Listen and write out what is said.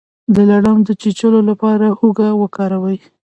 د لړم د چیچلو لپاره هوږه وکاروئ